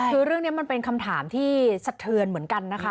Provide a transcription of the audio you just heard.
คือเรื่องนี้มันเป็นคำถามที่สะเทือนเหมือนกันนะคะ